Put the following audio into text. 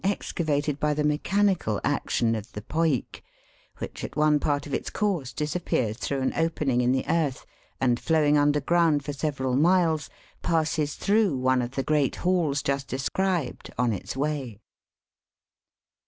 excavated by the mechanical action of the Poik, which at one part of its course disappears through an opening in the earth, and flowing underground for several miles, passes through one of the great halls just described on its way.